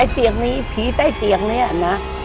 ไอ้เตียงนี้ผีใต้เตียงนี้นะ